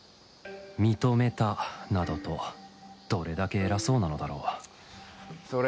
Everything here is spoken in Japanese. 「認めた」などとどれだけ偉そうなのだろうちっ。